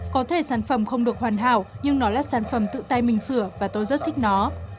có thể sản phẩm không được hoàn hảo nhưng nó là sản phẩm tự tay mình sửa và tôi rất thích nó